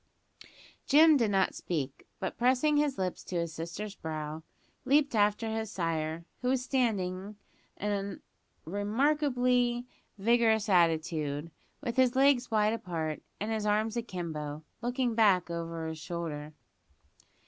Jim did not speak; but pressing his lips to his sister's brow, leaped after his sire, who was standing an a remarkably vigorous attitude, with his legs wide apart and his arms akimbo, looking back over his shoulder.